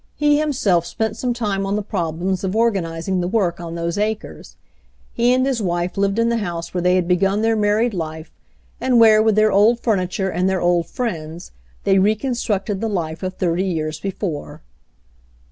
He himself spent some time on the problems of organizing the work on those acres. He and his wife lived in the house where they had begun their married life, and where, with their old furniture and their old friends, they reconstructed the life of thirty years before.